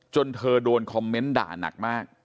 เธอโดนคอมเมนต์ด่านักมาก